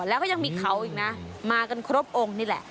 แล้วก็ยังมีเขาอีกนะมากันครบองค์นี่แหละ